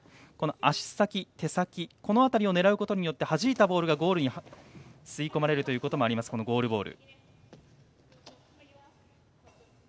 足先、手先この辺りを狙うことによってはじいたボールがゴールに吸い込まれることもあるゴールボール。